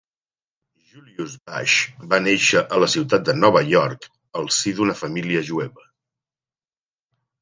Julius Bache va néixer a la ciutat de Nova York al si d'una família jueva.